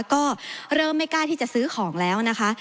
ก็เริ่มไม่กล้าที่จะซื้อของแล้วนะคะ